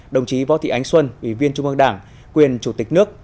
đồng chí võ thị ánh xuân ủy viên trung ương đảng quyền chủ tịch nước